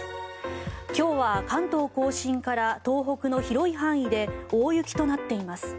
今日は関東・甲信から東北の広い範囲で大雪となっています。